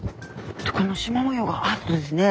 このしま模様があるとですね